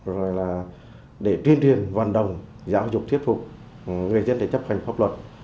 rồi là để truyền truyền vận động giáo dục thiết phục người dân để chấp hành pháp luật